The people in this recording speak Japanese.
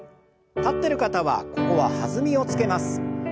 立ってる方はここは弾みをつけます。